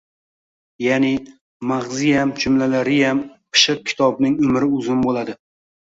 Ya’ni, mag‘ziyam, jumlalariyam pishiq kitobning umri uzun bo‘ladi.